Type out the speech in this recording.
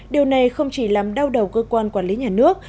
điều này không chỉ làm đau đầu cơ quan quản lý nhà nước